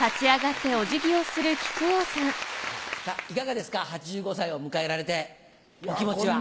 いかがですか８５歳を迎えられてお気持ちは？